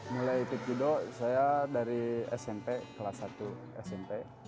mulai ikut judo saya dari smp kelas satu smp